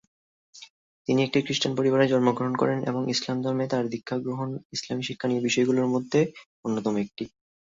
তিনি একটি খ্রিস্টান পরিবারে জন্মগ্রহণ করেন এবং ইসলাম ধর্মে তার দীক্ষা গ্রহণ ইসলামী শিক্ষণীয় বিষয়গুলোর মধ্যে অন্যতম একটি।